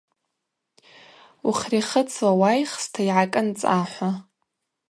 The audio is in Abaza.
Ухрихыцла уайхста йгӏакӏынцӏа – хӏва.